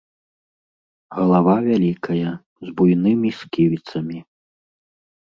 Галава вялікая, з буйнымі сківіцамі.